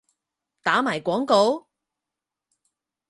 打埋廣告？